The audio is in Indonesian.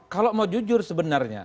kalau mau jujur sebenarnya